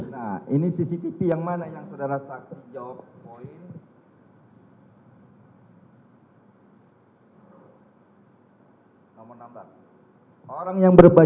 nah ini cctv yang mana yang saudara saksikan